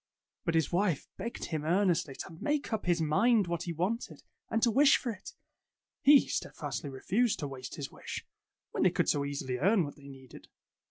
But his wife begged him earnestly to make up his mind what he wanted, and to wish for it. He steadfastly refused to waste his wish, when they could so easily earn what they needed.